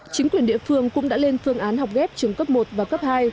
chính quyền địa phương cũng đã lên phương án học ghép trường cấp một và cấp hai